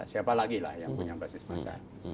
siapa lagi lah yang punya basis masa